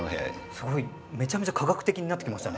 すごいめちゃめちゃ科学的になってきましたね。